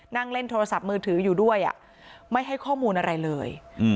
นั่งเล่นโทรศัพท์มือถืออยู่ด้วยไม่ให้ข้อมูลอะไรเลย